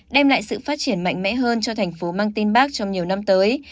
đem lại sự phát triển mạnh mẽ hơn cho thành phố mang tên bác trong nhiều năm tới